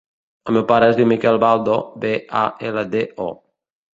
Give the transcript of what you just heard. El meu pare es diu Miquel Baldo: be, a, ela, de, o.